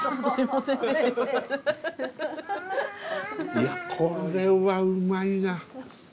いやこれはうまいな。